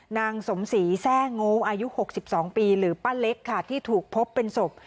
นางสมศรีแทร่งู้อายุ๖๒ปีหรือป้าเล็กค่ะที่ถูกพบเป็นศพ